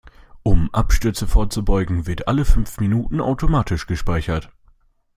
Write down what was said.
Um Abstürzen vorzubeugen, wird alle fünf Minuten automatisch gespeichert.